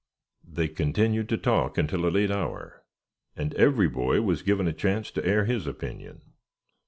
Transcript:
They continued to talk until a late hour, and every boy was given a chance to air his opinion.